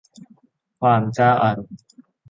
ความเจ้าอารมณ์